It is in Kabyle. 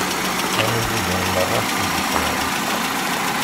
Ad nili din merra s idis-nwen.